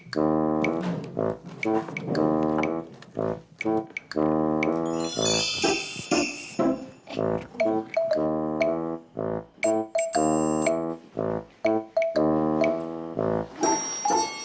mengapa mereka theoad petik mereka sendiri